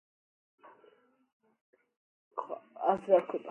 ზუგდიდის ჰავა ზღვის ნოტიო სუბტროპიკულია, თბილი ზამთრითა და ცხელი ზაფხულით.